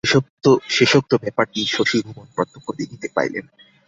শেষোক্ত ব্যাপারটি শশিভূষণ প্রত্যক্ষ দেখিতে পাইলেন।